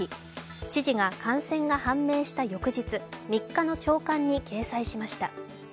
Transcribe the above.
知事が感染が判明した翌日、３日の朝刊に掲載しました。